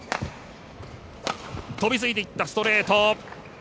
飛びついていったストレート！